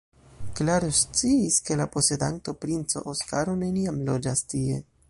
Klaro sciis, ke la posedanto, princo Oskaro, neniam loĝas tie.